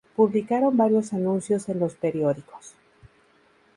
Publicaron varios anuncios en los periódicos.